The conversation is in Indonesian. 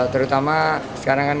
terutama sekarang kan